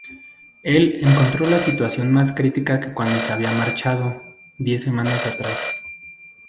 Él encontró la situación más crítica que cuando se había marchado, diez semanas atrás.